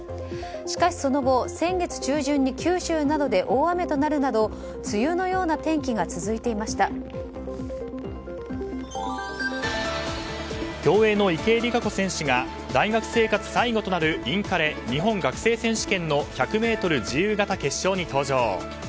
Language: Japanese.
しかし、その後先月中旬に九州などで大雨となるなど梅雨のような天気が競泳の池江璃花子選手が大学生活最後となるインカレ日本学生選手権の１００ｍ自由形決勝に出場。